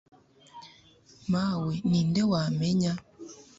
mawe ni nde wamenya